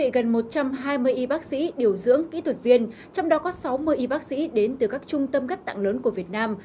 gần một trăm hai mươi y bác sĩ điều dưỡng kỹ thuật viên trong đó có sáu mươi y bác sĩ đến từ các trung tâm ghép tạng lớn của việt nam